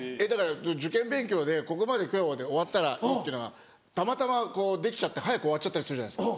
受験勉強でここまで今日終わったらいいっていうのがたまたまできちゃって早く終わっちゃったりするじゃないですか。